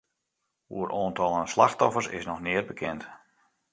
Oer oantallen slachtoffers is noch neat bekend.